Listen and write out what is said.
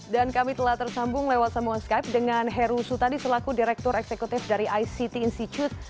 dan kami telah tersambung lewat semua skype dengan heru sutadi selaku direktur eksekutif dari ict institute